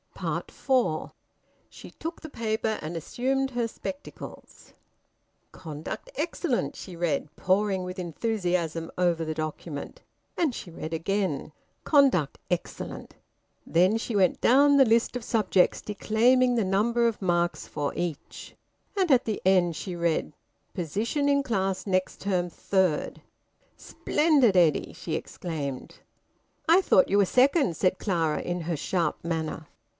FOUR. She took the paper, and assumed her spectacles. "Conduct Excellent," she read, poring with enthusiasm over the document. And she read again: "Conduct Excellent." Then she went down the list of subjects, declaiming the number of marks for each; and at the end she read: "Position in class next term: Third. Splendid, Eddy!" she exclaimed. "I thought you were second," said Clara, in her sharp manner.